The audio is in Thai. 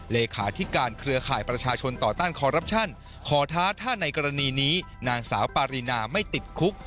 เลขาธิการเครือข่ายประชาชนต่อต้านคอรัปชั่นขอท้าถ้าในกรณีนี้นางสาวปารีนาไม่ติดคุก